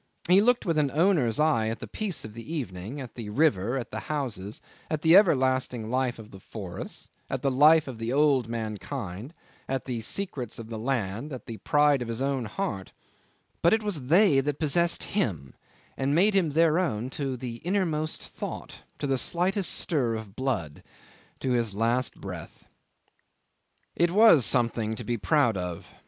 He looked with an owner's eye at the peace of the evening, at the river, at the houses, at the everlasting life of the forests, at the life of the old mankind, at the secrets of the land, at the pride of his own heart; but it was they that possessed him and made him their own to the innermost thought, to the slightest stir of blood, to his last breath. 'It was something to be proud of.